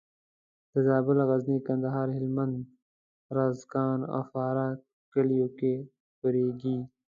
د زابل، غزني، کندهار، هلمند، روزګان او فراه کلیو کې خپرېږي.